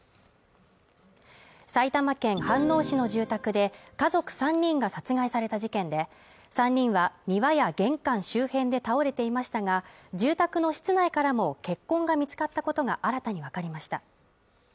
埼玉県飯能市の住宅で家族３人が殺害された事件で３人は庭や玄関周辺で倒れていましたが、住宅の室内からも血痕が見つかったことが新たに分かりました。